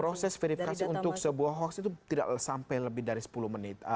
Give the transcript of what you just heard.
proses verifikasi untuk sebuah hoax itu tidak sampai lebih dari sepuluh menit